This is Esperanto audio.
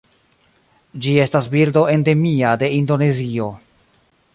Ĝi estas birdo endemia de Indonezio.